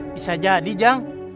bisa jadi jang